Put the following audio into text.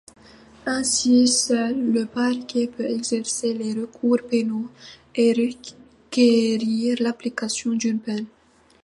Ainsi, seul le parquet peut exercer les recours pénaux et requérir l'application d'une peine.